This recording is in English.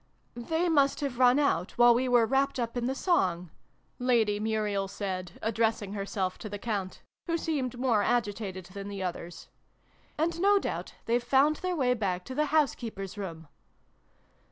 251 " They must have run out, while we were wrapped up in the song," Lady Muriel said, addressing herself to the Count, who seemed more agitated than the others ; "and no doubt they've found their way back to the house keeper's room."